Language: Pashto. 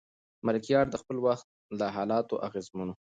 ملکیار د خپل وخت له حالاتو اغېزمن و.